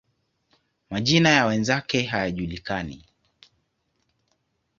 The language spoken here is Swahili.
Majina ya wenzake hayajulikani.